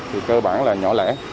thì cơ bản là nhỏ lẻ